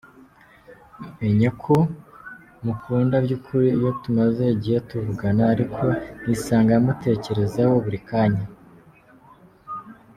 Menya ko mukunda by’ukuri iyo tumaze igihe tuvugana ariko nkisanga mutekerezaho buri kanya”.